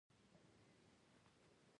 غول د فایبر په کمښت سختېږي.